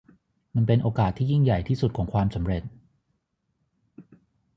มันเป็นโอกาสที่ยิ่งใหญ่ที่สุดของความสำเร็จ